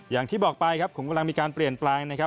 อย่างที่บอกไปครับขุมกำลังมีการเปลี่ยนแปลงนะครับ